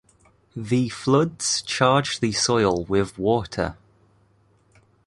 The floods charge the soil with water.